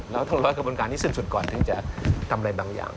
แล้วทั้งร้อยกระบวนการณ์ที่สุดก่อนที่จะทำอะไรบางอย่าง